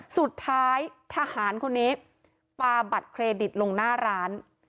สุดท้ายทหารคนนี้ปาบัตรเครดิตลงหน้าร้าน